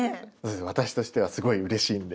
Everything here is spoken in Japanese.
私としてはすごいうれしいんで。